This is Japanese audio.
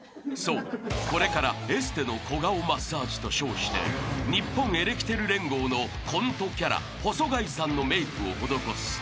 ［そうこれからエステの小顔マッサージと称して日本エレキテル連合のコントキャラ細貝さんのメイクを施す］